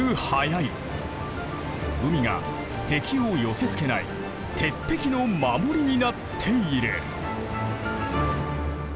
海が敵を寄せつけない鉄壁の守りになっている。